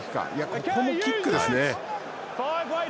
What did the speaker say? ここもキックですね。